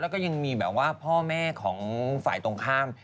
แล้วก็ยังมีแบบว่าพ่อแม่ของฝ่ายตรงข้าม